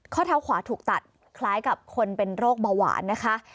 ข้อเท้าขวาถูกตัดคล้ายกับคนเป็นโรคเบาหวานนะคะ